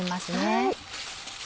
はい。